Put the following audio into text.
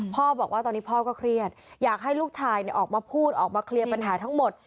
พ่อบอกว่าตอนนี้พ่อก็เครียดอยากให้ลูกชายออกมาพูดออกมาเคลียร์ปัญหาทั้งหมด